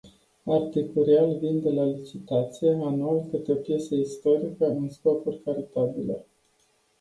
Articurial vinde la licitație anual câte o piesă istorică, în scopuri caritabile.